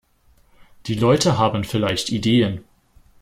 Die Leute haben vielleicht Ideen!